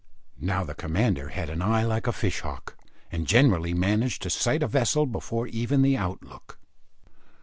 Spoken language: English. Now the commander had an eye like a fish hawk, and generally managed to sight a vessel before even the out look.